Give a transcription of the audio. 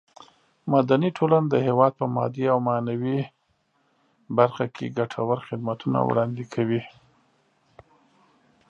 مدني ټولنه د هېواد په مادي او معنوي برخه کې ګټور خدمتونه وړاندې کوي.